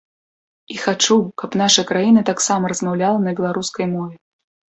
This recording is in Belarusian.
І хачу, каб наша краіна таксама размаўляла на беларускай мове.